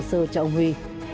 sơ cho ông huy